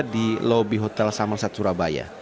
di lobi hotel samalset surabaya